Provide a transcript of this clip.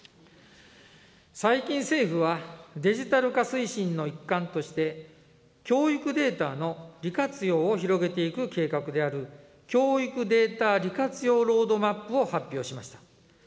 最近政府は、デジタル化推進の一環として、教育データの利活用を広げていく計画である、教育データ利活用ロードマップを発表しました。